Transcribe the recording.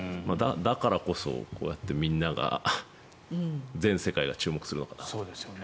だからこそ、こうやってみんなが全世界が注目するのかなと。